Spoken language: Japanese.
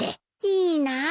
いいなぁ。